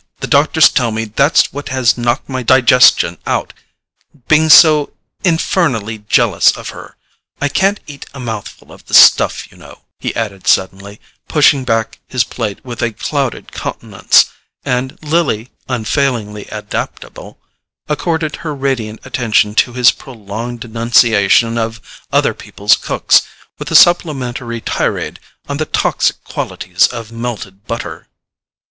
The doctors tell me that's what has knocked my digestion out—being so infernally jealous of her.—I can't eat a mouthful of this stuff, you know," he added suddenly, pushing back his plate with a clouded countenance; and Lily, unfailingly adaptable, accorded her radiant attention to his prolonged denunciation of other people's cooks, with a supplementary tirade on the toxic qualities of melted butter.